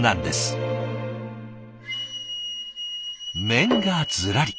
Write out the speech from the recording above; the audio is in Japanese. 面がずらり。